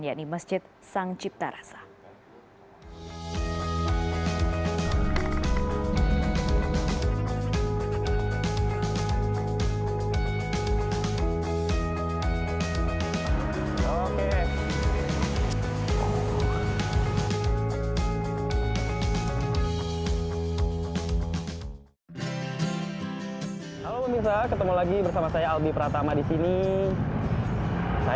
yakni masjid sang cipta rasa